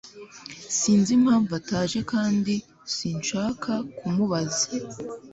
Sinzi impamvu ataje kandi sinshaka kumubaza.